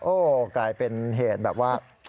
โอ้โหกลายเป็นเหตุแบบว่า